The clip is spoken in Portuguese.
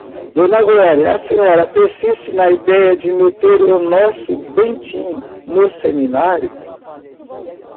Dona Glória, a senhora persiste na idéia de meter o nosso Bentinho no seminário?